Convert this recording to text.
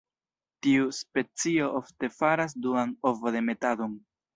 Tiu specio ofte faras duan ovodemetadon.